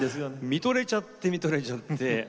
見とれちゃって見とれちゃって。